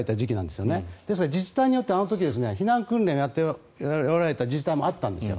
ですので自治体によってあの時避難訓練をやっておられた自治体もあったんです。